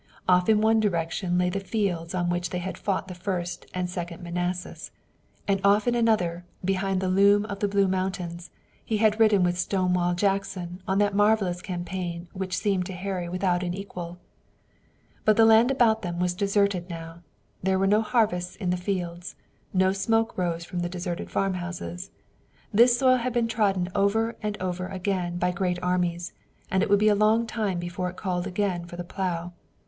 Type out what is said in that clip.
Off in one direction lay the fields on which they had fought the First and Second Manassas, and off in another, behind the loom of the blue mountains, he had ridden with Stonewall Jackson on that marvelous campaign which seemed to Harry without an equal. But the land about them was deserted now. There were no harvests in the fields. No smoke rose from the deserted farm houses. This soil had been trodden over and over again by great armies, and it would be a long time before it called again for the plough.